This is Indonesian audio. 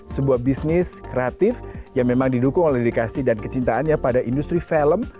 sebuah bisnis kreatif yang memang didukung oleh dedikasi dan kecintaannya pada industri film